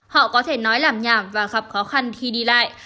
họ có thể nói làm nhà và gặp khó khăn khi đi lại